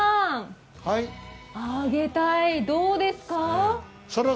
あげたい、どうですか？